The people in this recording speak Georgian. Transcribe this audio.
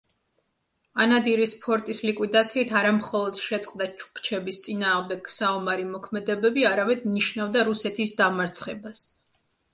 ანადირის ფორტის ლიკვიდაციით არა მხოლოდ შეწყდა ჩუქჩების წინააღმდეგ საომარი მოქმედებები, არამედ ნიშნავდა რუსეთის დამარცხებას.